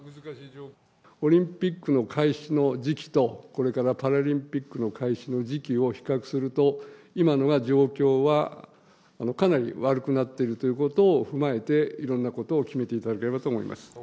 オリンピックの開始の時期と、これからパラリンピックの開始の時期を比較すると、今のほうが状況はかなり悪くなっているということを踏まえて、いろんなことを決めていただければと思います。